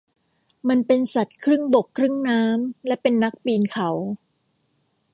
มันเป็นสัตว์ครึ่งบกครึ่งน้ำและเป็นนักปีนเขา